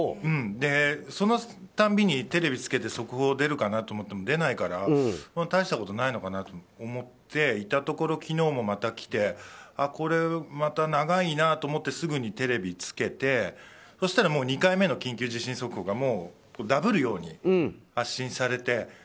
その度にテレビをつけて速報出るかなと思っても出ないから大したことないのかなと思っていたところ昨日もまた来てこれまた長いなと思ってすぐにテレビつけてそしたら２回目の緊急地震速報がもう、ダブるように発信されて。